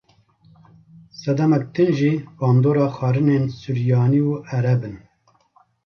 Sedemek din jî bandora xwarinên suryanî û ereb in.